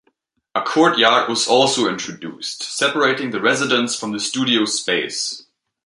A courtyard was also introduced, separating the residence from the studio space.